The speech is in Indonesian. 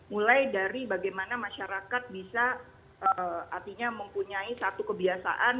mulai dari bagaimana masyarakat bisa artinya mempunyai satu kebiasaan